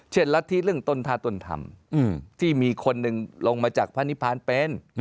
รัฐธิเรื่องต้นท่าต้นธรรมที่มีคนหนึ่งลงมาจากพระนิพานเป็น